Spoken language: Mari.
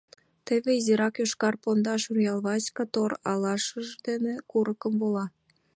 Теве изирак йошкар пондашан Руял Васька тор алашаж дене курыкым вола.